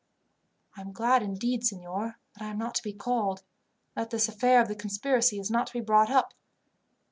"I am glad indeed, signor, that I am not to be called, and that this affair of the conspiracy is not to be brought up.